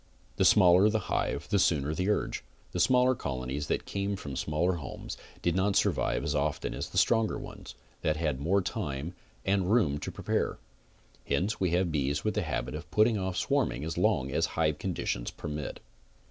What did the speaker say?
The smaller the hive the sooner the urge. The smaller col onies that came from the smaller homes did not survive as often as the stronger ones, that had more time and room to prepare; hence we have bees with the habit of putting off swarming as long as hive conditions permit.